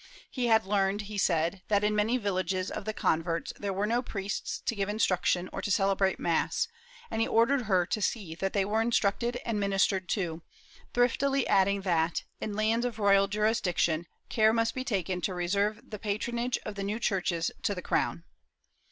He had learned, he said, that in many villages of the converts there were no priests to give instruction or to celebrate mass, and he ordered her to see that they were instructed and ministered to, thriftily adding that, in lands of royal jurisdiction, care must be taken to reserve the patronage of the new churches to the crown.